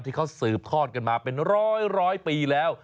ที่เขาสืบทอดกันมาเป็นร้อยปีแล้ว